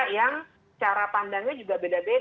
yang cara pandangnya juga beda beda